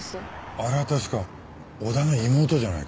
あれは確か小田の妹じゃないか？